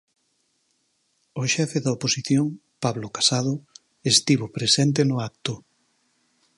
O xefe da oposición, Pablo Casado, estivo presente no acto.